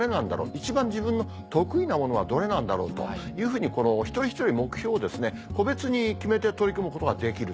一番自分の得意なものはどれなんだろう？というふうに一人一人目標を個別に決めて取り組むことができると。